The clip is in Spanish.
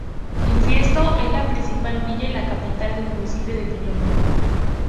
Infiesto es la principal villa y la capital del municipio de Piloña.